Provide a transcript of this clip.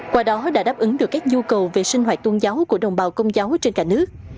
qua đó đã đáp ứng được các nhu cầu về sinh hoạt tôn giáo của đồng bào công giáo trên cả nước